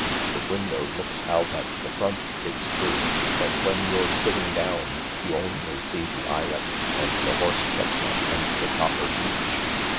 " The window looks out at the front, it's true, but when you're sitting down you only see the ilex and the horse chestnut and the copper beech.